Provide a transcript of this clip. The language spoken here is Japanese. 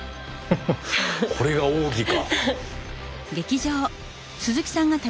これが奥義か。